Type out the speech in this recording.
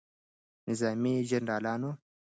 نظامي جنرالانو